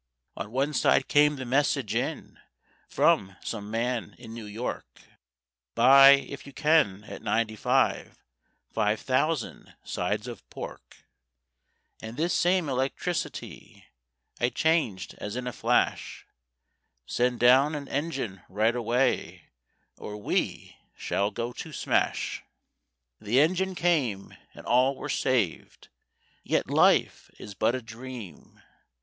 "On one side came the message in From some man in New York: 'Buy if you can, at ninety five, Five thousand sides of pork.' And this same electricity I changed as in a flash: 'Send down an engine right away, Or we shall go to smash.' "The engine came, and all were saved— Yet life is but a Dream.